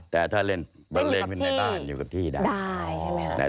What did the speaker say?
แต่ถ้าเล่นบรรเลงเป็นในบ้านอยู่กับที่ได้